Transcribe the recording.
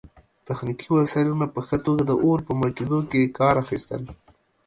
تخنیکي وسایلو نه په ښه توګه د اور په مړه کیدو کې کار اخیستل